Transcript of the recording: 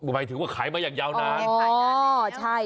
หมายถึงว่าขายมาอย่างยาวนาน